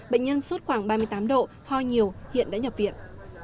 bệnh nhân suốt khoảng ba mươi tám độ ho nhiều hiện đã nhập viện